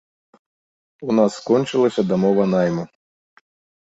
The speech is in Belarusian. У нас скончылася дамова найму.